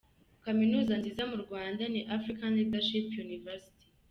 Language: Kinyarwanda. Kamenuza nziza mu Rwanda ni African Leadership University.